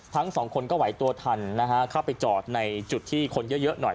ทั้งสองคนก็ไหวตัวทันนะฮะเข้าไปจอดในจุดที่คนเยอะหน่อย